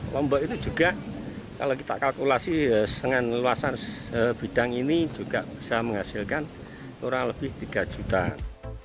lombok itu juga kalau kita kalkulasi dengan luasan bidang ini juga bisa menghasilkan kurang lebih tiga jutaan